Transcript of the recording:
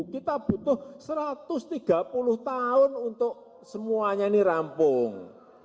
kita butuh satu ratus tiga puluh tahun untuk semuanya ini rampung